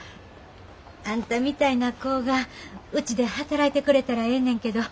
あんたみたいな子がうちで働いてくれたらええねんけど。